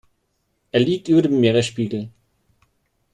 Er liegt über dem Meeresspiegel.